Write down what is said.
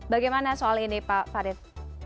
bagaimana soal ini pak farid